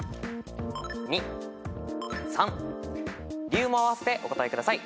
理由もあわせてお答えください。